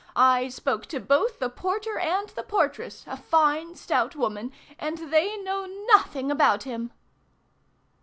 I spoke to both the porter and the portress, a fine, stout woman, and they know nothing about him!"